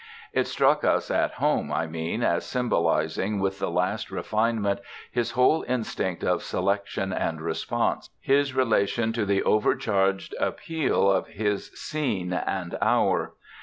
It struck us at home, I mean, as symbolising with the last refinement his whole instinct of selection and response, his relation to the overcharged appeal of his scene and hour.